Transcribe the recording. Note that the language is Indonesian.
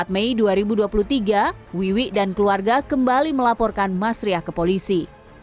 empat mei dua ribu dua puluh tiga wiwi dan keluarga kembali melaporkan mas riah ke polisi